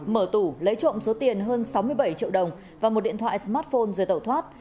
mở tủ lấy trộm số tiền hơn sáu mươi bảy triệu đồng và một điện thoại smartphone rồi tẩu thoát